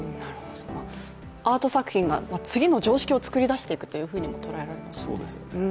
アート作品が、次の常識を作り出していくというふうにも捉えられますかね。